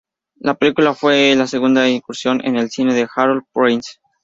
La película fue la segunda incursión en el cine de Harold Prince.